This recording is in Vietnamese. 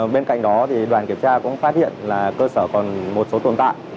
bên cạnh đó đoàn kiểm tra cũng phát hiện là cơ sở còn một số tồn tại